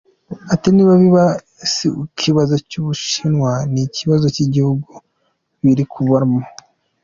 Ati: “Niba biba si ikibazo cy’u Bushinwa ni ikibazo cy’igihugu biri kubamo.”